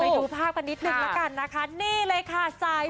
ไปดูภาพกันอีกนิดหนึ่งนะคะนี่เลยค่ะสายฟ้าพายุ